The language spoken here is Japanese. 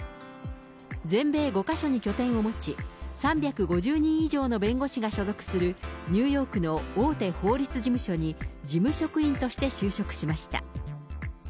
全米５か所に拠点を持ち、３５０人以上の弁護士が所属するニューヨークの大手法律事務所に事務職員として就職しました。